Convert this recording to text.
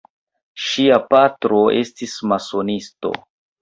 Ŝia patro estis masonisto.